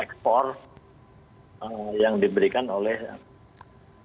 terd products teragang dan wurde nuevo opini broke lagi tempat